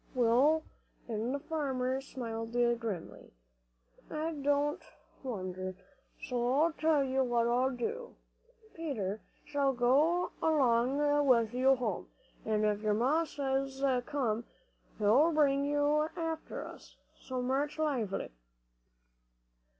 "Well," and the farmer smiled grimly, "I don't wonder, so now I'll tell you what I'll do. Peter shall go along with you home, an' if your Ma says come, he'll bring you after us. So march lively."